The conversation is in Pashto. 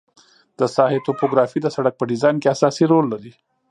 د ساحې توپوګرافي د سرک په ډیزاین کې اساسي رول لري